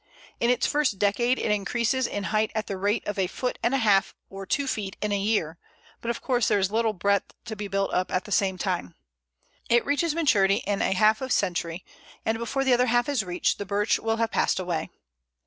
In its first decade it increases in height at the rate of a foot and a half or two feet in a year; but, of course, there is little breadth to be built up at the same time. It reaches maturity in half a century, and before the other half is reached the Birch will have passed away.